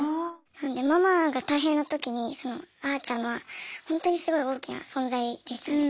ママが大変なときにあーちゃんはほんとにすごい大きな存在でしたね。